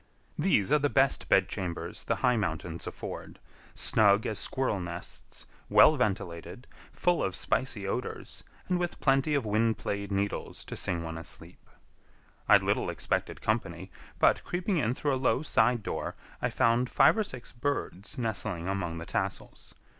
These are the best bedchambers the high mountains afford—snug as squirrel nests, well ventilated, full of spicy odors, and with plenty of wind played needles to sing one asleep. I little expected company, but, creeping in through a low side door, I found five or six birds nestling among the tassels.